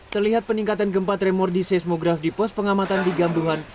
terlihat peningkatan gempa tremordi seismograf di pos pengamatan di gambuhan